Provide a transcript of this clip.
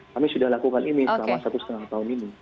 kami sudah lakukan ini selama satu setengah tahun ini